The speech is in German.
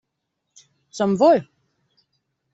Zum Wohl!